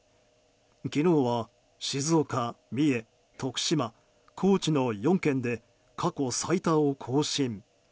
昨日は静岡、三重、徳島、高知の４県で過去最多を更新。